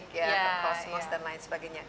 kosmos dan lain sebagainya